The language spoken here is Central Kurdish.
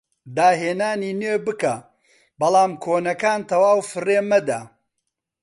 داهێنانی نوێ بکە بەڵام کۆنەکان تەواو فڕێ مەدە